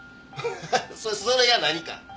「ハハそれが何か？」